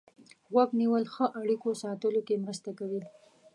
غوږ نیول ښه اړیکو ساتلو کې مرسته کوي.